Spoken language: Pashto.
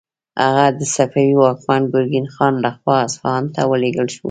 هغه د صفوي واکمن ګرګین خان لخوا اصفهان ته ولیږل شو.